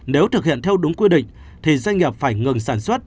nếu thực hiện theo đúng quy định thì doanh nghiệp phải ngừng sản xuất